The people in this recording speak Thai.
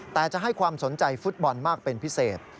แต่จะให้ความสนใจฟุตบอลมากเป็นพิเศษ